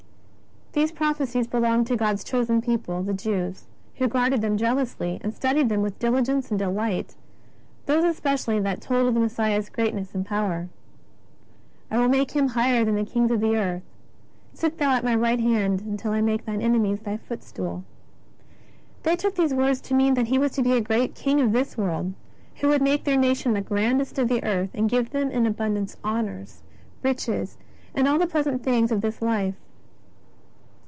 || These prophecies belonged to God's chosen people the Jews, who guarded them jealously, and studied them with diligence and delight, those especially that told of the Messiah's greatness and power :'' I will make Him higher than the kings of the earth." H " Sit thou at My right hand until I make thine enemies thy foot stool." They took these words to mean that He was to be a great king of this world who would make their nation the grandest of the earth, and give them in abundance honours, riches and all the pleasant things of this life.